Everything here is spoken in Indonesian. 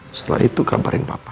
hai setelah itu kabarin papa